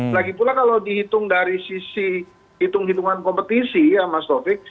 lagi pula kalau dihitung dari sisi hitung hitungan kompetisi ya mas taufik